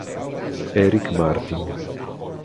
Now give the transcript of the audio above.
Erik Martin